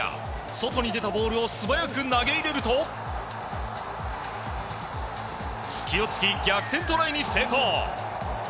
外に出たボールを素早く投げ入れると隙を突き、逆転トライに成功！